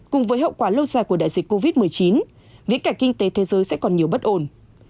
cùng với hậu quả lâu dài của đại dịch covid một mươi chín viễn cảnh kinh tế thế giới sẽ còn nhiều bất ổn